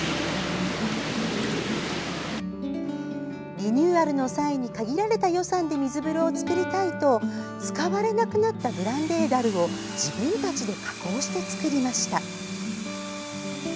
リニューアルの際に限られた予算で水風呂を作りたいと使われなくなったブランデーだるを自分たちで加工して作りました。